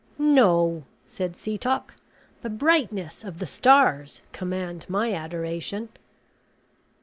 "No," said Setoc, "the brightness of the stars command my adoration."